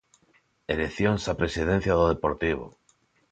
Eleccións á presidencia do Deportivo.